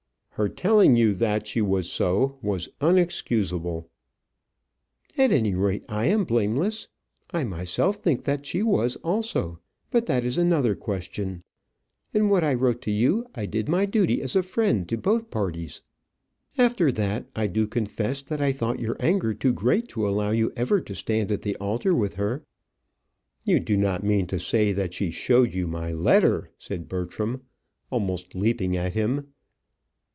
"Her telling you that she was so was unexcusable." "At any rate, I am blameless. I myself think that she was also; but that is another question. In what I wrote to you, I did my duty as a friend to both parties. After that, I do confess that I thought your anger too great to allow you ever to stand at the altar with her." "You do not mean to say that she showed you my letter?" said Bertram, almost leaping at him.